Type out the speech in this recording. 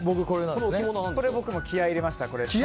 これ、僕も気合入れました。